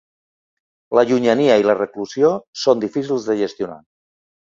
La llunyania i la reclusió són difícils de gestionar.